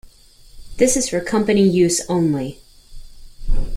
This is for company use only.